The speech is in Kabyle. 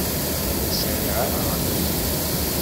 Ur sɛiɣ ara amrig.